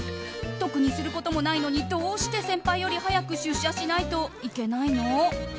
特にすることもないのにどうして先輩より早く出社しないといけないの？